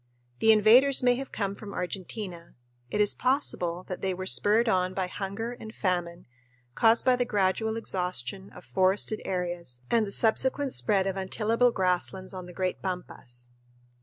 The invaders may have come from Argentina. It is possible that they were spurred on by hunger and famine caused by the gradual exhaustion of forested areas and the subsequent spread of untillable grasslands on the great pampas.